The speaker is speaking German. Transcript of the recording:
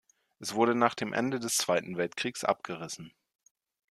Er wurde nach dem Ende des Zweiten Weltkriegs abgerissen.